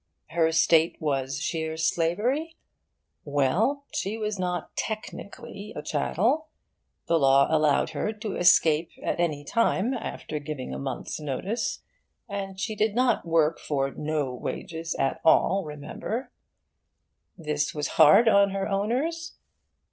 Her state was sheer slavery? Well, she was not technically a chattel. The Law allowed her to escape at any time, after giving a month's notice; and she did not work for no wages at all, remember. This was hard on her owners?